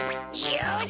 よし！